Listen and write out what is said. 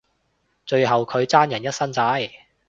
最後佢爭人一身債